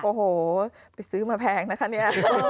โอ้โหไปซื้อมาแพงนะคะเนี่ย